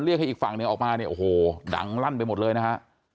ให้อีกฝั่งหนึ่งออกมาเนี่ยโอ้โหดังลั่นไปหมดเลยนะฮะ